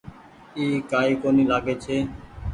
اي ڪآئي ڪونيٚ لآگي ڇي۔